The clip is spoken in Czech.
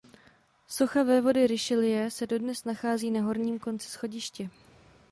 Socha vévody Richelieu se dodnes nachází na horním konci schodiště.